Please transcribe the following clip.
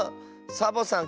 サボさん